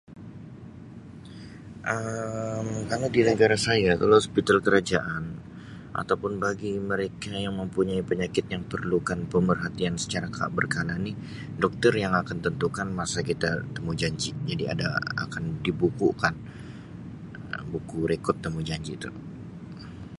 Um Kalau di negara saya kalau hospital kerajaan atau pun bagi mereka yang mempunyai penyakit yang perlukan pemerhatian secara ka berkala ni Doktor yang akan tentukan masa kita temujanji jadi ada akan dibuku kan buku rekod temujanji tu.